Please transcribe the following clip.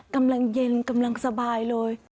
กำลังเย็นกำลังสบายเลย